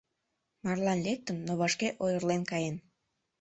Марлан лектын, но вашке ойырлен каен.